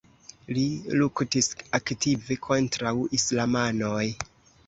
Li luktis aktive kontraŭ islamanoj.